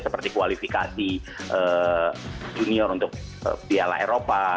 seperti kualifikasi junior untuk piala eropa